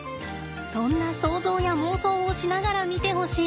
そんな想像や妄想をしながら見てほしい。